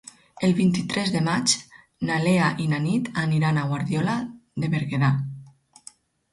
El vint-i-tres de maig na Lea i na Nit aniran a Guardiola de Berguedà.